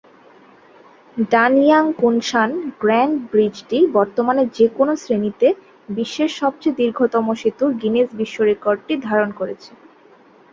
Danyang-Kunshan grand ব্রিজটি বর্তমানে যেকোনও শ্রেণীতে বিশ্বের সবচেয়ে দীর্ঘতম সেতুর গিনেস বিশ্ব রেকর্ডটি ধারণ করছে।